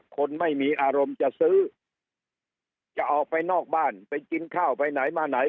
คนไม่มีอารมณ์จะซื้อจะออกไปนอกบ้านไปกินข้าวไปไหนมาไหน